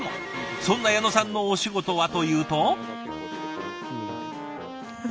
そんな矢野さんのお仕事はというと？